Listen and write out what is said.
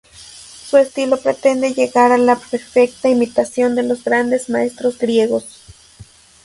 Su estilo pretende llegar a la perfecta imitación de los grandes maestros griegos.